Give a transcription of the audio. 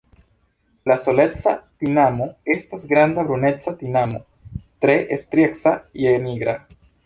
La Soleca tinamo estas granda bruneca tinamo tre strieca je nigra.